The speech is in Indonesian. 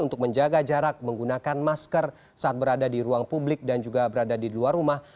untuk menjaga jarak menggunakan masker saat berada di ruang publik dan juga berada di luar rumah